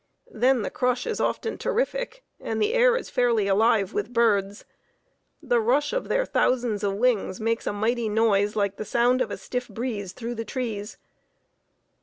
Then the crush is often terrific and the air is fairly alive with birds. The rush of their thousands of wings makes a mighty noise like the sound of a stiff breeze through the trees.